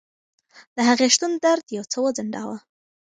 د هغې شتون درد یو څه وځنډاوه.